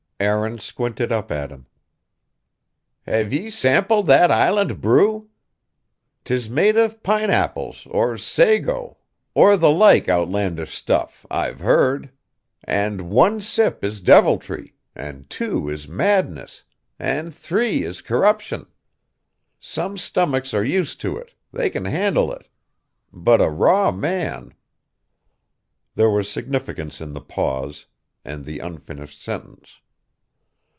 Aaron squinted up at him. "Have ye sampled that island brew? 'Tis made of pineapples, or sago, or the like outlandish stuff, I've heard. And one sip is deviltry, and two is madness, and three is corruption. Some stomachs are used to it; they can handle it. But a raw man...." There was significance in the pause, and the unfinished sentence.